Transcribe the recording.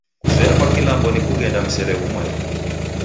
Kuzoya kwa kilambo ni kughenda msele ghumweri.